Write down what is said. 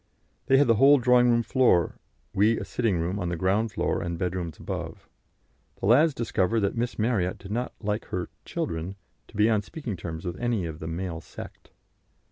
They had the whole drawing room floor: we a sitting room on the ground floor and bedrooms above. The lads discovered that Miss Marryat did not like her "children" to be on speaking terms with any of the "male sect."